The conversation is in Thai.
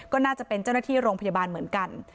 ก็น่าจะเป็นเจ้าหน้าที่โรงพยาบาลเหมือนกัน